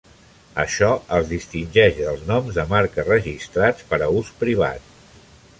Això els distingeix dels noms de marca registrats per a ús privat.